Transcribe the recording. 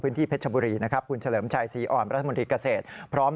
พื้นที่เพชรบุรีนะครับคุณเฉลิมชัยสีอ่อนรัฐมนตรีกเศษพร้อม